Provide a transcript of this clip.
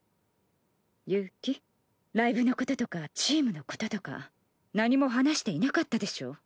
悠希ライブのこととかチームのこととか何も話していなかったでしょ？